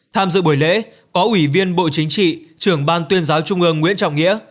tham dự buổi lễ có ủy viên bộ chính trị trưởng ban tuyên giáo trung ương nguyễn trọng nghĩa